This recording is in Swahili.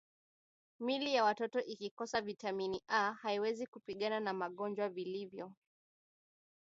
Miili ya watoto ikikosa viatamini A haiwezi kupigana na magonjwa vilivyo